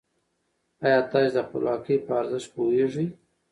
ايا تاسې د خپلواکۍ په ارزښت پوهېږئ؟